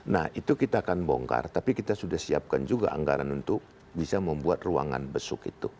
nah itu kita akan bongkar tapi kita sudah siapkan juga anggaran untuk bisa membuat ruangan besuk itu